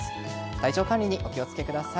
体調管理にお気を付けください。